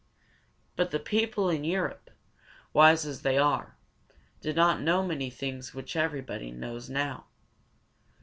But the people in Europe, wise as they were, did not know many things which everybody knows now.